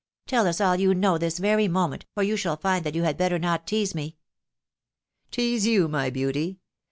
" Tell us all you know this very moment, or you shall find that you had better not tease me." " Tease you, my beauty